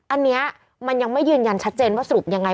อันนี้มันยังไม่ยืนยันชัดเจนว่าสรุปยังไง